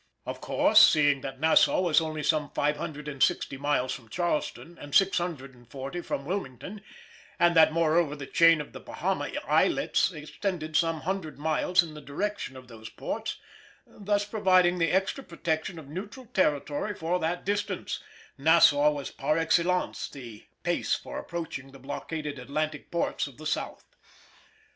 Of course, seeing that Nassau was only some 560 miles from Charleston and 640 from Wilmington, and that, moreover, the chain of the Bahama islets extended some hundred miles in the direction of those ports, thus providing the extra protection of neutral territory for that distance, Nassau was par excellence the base for approaching the blockaded Atlantic ports of the South.